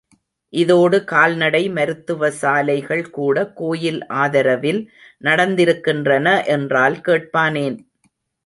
இதோடு கால்நடை மருத்துவசாலைகள் கூட கோயில் ஆதரவில் நடந்திருக்கின்றன என்றால் கேட்பானேன்.